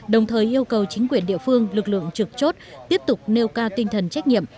đồng thời yêu cầu chính quyền địa phương lực lượng trực chốt tiếp tục nêu cao tinh thần trách nhiệm